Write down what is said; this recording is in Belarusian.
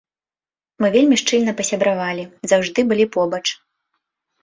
Мы вельмі шчыльна пасябравалі, заўжды былі побач.